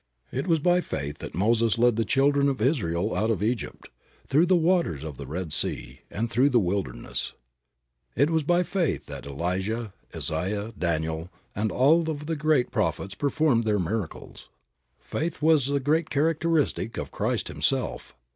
It was by faith that Moses led the children of Israel out of Egypt, through the waters of the Red Sea, and through the wilderness. It was by faith that Elijah, Isaiah, Daniel, and all of the great prophets performed their miracles. Faith was the great characteristic of Christ Himself.